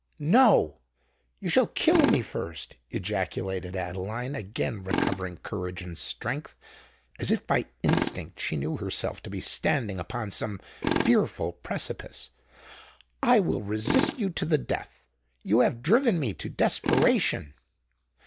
"No—you shall kill me first!" ejaculated Adeline, again recovering courage and strength, as if by instinct she knew herself to be standing upon some fearful precipice. "I will resist you to the death: you have driven me to desperation!"